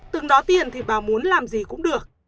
từng đó tiền thì bà muốn làm gì cũng được